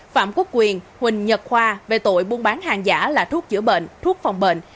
phạm quốc quyền huỳnh nhật khoa về tội buôn bán hàng giả là thuốc chữa bệnh thuốc phòng bệnh